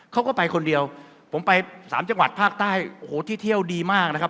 เขาก็ไปคนเดียวผมไปสามจังหวัดภาคใต้โอ้โหที่เที่ยวดีมากนะครับ